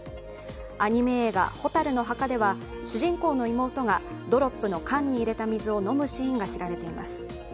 アニメ映画「火垂るの墓」では主人公の妹がドロップの缶に入れた水を飲むシーンが知られています。